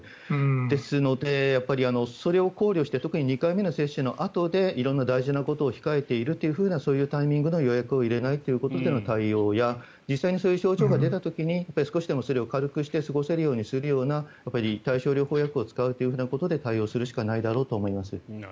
ですので、それを考慮して特に２回目の接種のあとで色んな大事なことを控えているというタイミングでの予約を入れないということでの対応や実際にそういう症状が出た時に少しでもそれを軽くして過ごせるようにするような対症療法薬を使うことで対応するしかないと思います。